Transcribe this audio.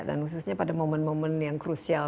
dan khususnya pada momen momen yang krusial